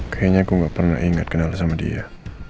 kayaknya aku nggak pernah ingat kenal sama dia